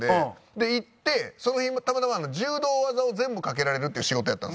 で行ってその日たまたま柔道技を全部かけられるっていう仕事やったんですよ。